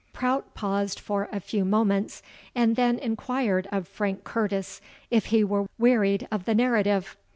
Prout paused for a few moments, and then enquired of Frank Curtis if he were wearied of the narrative.